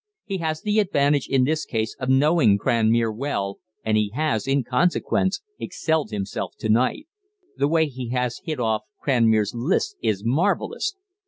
He has the advantage in this case of knowing Cranmere well, and he has, in consequence, excelled himself to night. The way he has hit off Cranmere's lisp is marvellous.